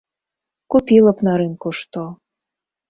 Купіла б на рынку што.